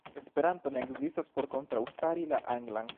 Esperanto ne ekzistas por kontraŭstari la anglan.